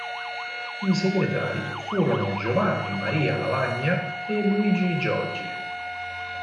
I segretari furono Giovanni Maria Lavagna e Luigi Giorgi.